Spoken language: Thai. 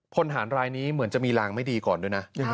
พลฐานรายนี้เหมือนจะมีรางไม่ดีก่อนด้วยนะ